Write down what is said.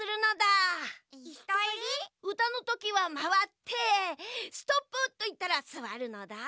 うたのときはまわって「ストップ！」といったらすわるのだ。